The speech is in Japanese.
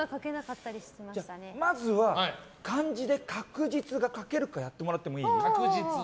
まずは漢字で「かくじつ」が書けるかやってもらってもいい？